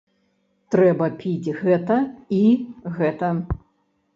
Трэба піць гэта і гэта.